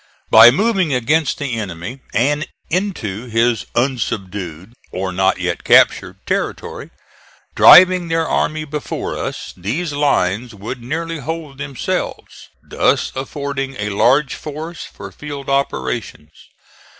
By moving against the enemy and into his unsubdued, or not yet captured, territory, driving their army before us, these lines would nearly hold themselves; thus affording a large force for field operations.